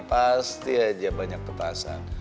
pasti aja banyak petasan